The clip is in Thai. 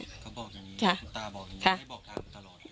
คุณตาบอกอย่างนี้ไม่บอกทางไปตลอด